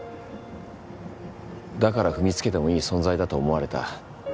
だから踏みつけてもいい存在だと思われた。